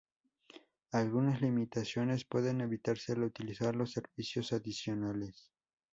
Algunas limitaciones pueden evitarse al utilizar los servicios adicionales.